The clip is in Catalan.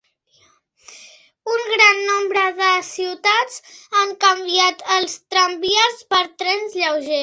Un gran nombre de ciutats han canviat els tramvies per trens lleugers.